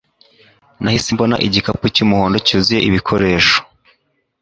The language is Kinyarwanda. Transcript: Nahise mbona igikapu cy'umuhondo cyuzuye ibikoresho